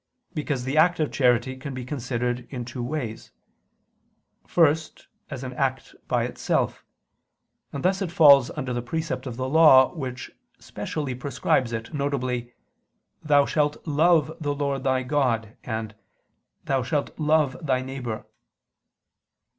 Because the act of charity can be considered in two ways. First, as an act by itself: and thus it falls under the precept of the law which specially prescribes it, viz. "Thou shalt love the Lord thy God," and "Thou shalt love thy neighbor."